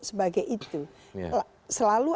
sebagai itu selalu